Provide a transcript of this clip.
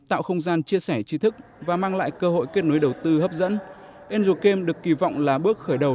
angel camp được kỳ vọng là bước khởi đầu